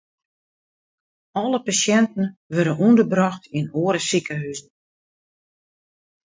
Alle pasjinten wurde ûnderbrocht yn oare sikehuzen.